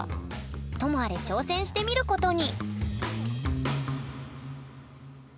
ともあれ挑戦してみることに！